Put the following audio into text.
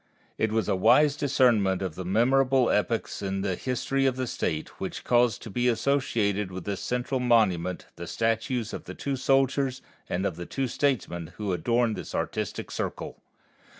It was a wise discernment of the memorable epochs in the history of the State which cause to be associated with this central monument the statues of the two soldiers and the two statesmen who adorn this artistic Circle.